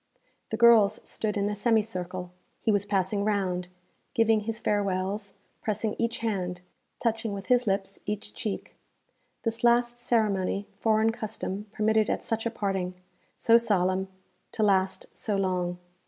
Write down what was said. The girls stood in a semicircle; he was passing round, giving his farewells, pressing each hand, touching with his lips each cheek. This last ceremony foreign custom permitted at such a parting so solemn, to last so long.